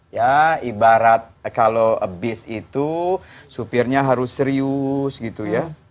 ya ibarat kalau bis itu supirnya harus serius gitu ya